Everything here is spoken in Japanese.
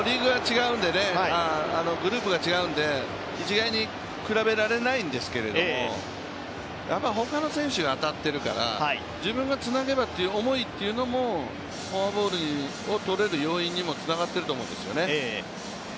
グループが違うんで、一概に比べられないんですけど、ほかの選手は当たっているから自分がつなげばという思いというのもフォアボールを取れる要因にもつながっていると思うんですよね。